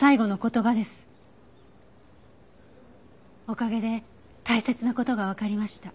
おかげで大切な事がわかりました。